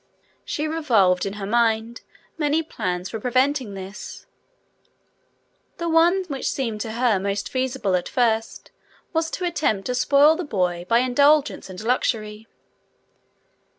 She revolved in her mind many plans for preventing this. The one which seemed to her most feasible at first was to attempt to spoil the boy by indulgence and luxury.